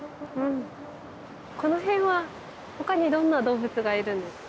この辺はほかにどんな動物がいるんですか？